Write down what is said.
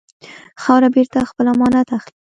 خاوره بېرته خپل امانت اخلي.